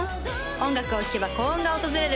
音楽を聴けば幸運が訪れる